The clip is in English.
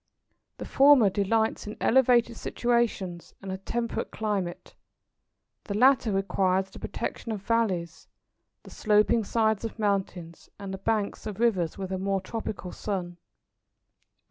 The former delights in elevated situations and a temperate climate; the latter requires the protection of valleys, the sloping sides of mountains, and the banks of rivers, with a more tropical sun.